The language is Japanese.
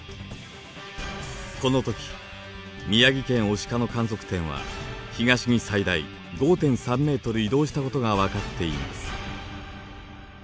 この時宮城県牡鹿の観測点は東に最大５．３ｍ移動したことが分かっています。